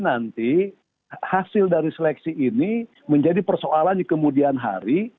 nanti hasil dari seleksi ini menjadi persoalan di kemudian hari